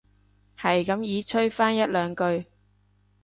係咁依吹返一兩句